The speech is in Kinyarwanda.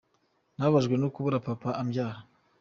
Nababajwe no kubura Papa umbyara.